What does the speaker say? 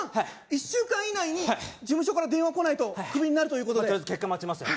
１週間以内に事務所から電話来ないとクビになるということでとりあえず結果待ちますよ